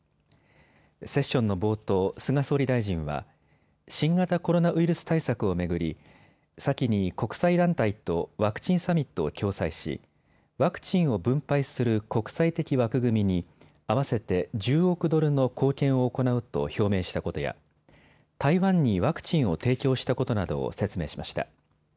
セッションの冒頭、菅総理大臣は新型コロナウイルス対策を巡り先に国際団体とワクチンサミットを共催しワクチンを分配する国際的枠組みに合わせて１０億ドルの貢献を行うと表明したことや台湾にワクチンを提供したことなどを説明しました。